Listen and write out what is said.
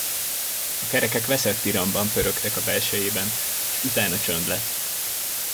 A kerekek veszett iramban pörögtek a belsejében, s utána csönd lett.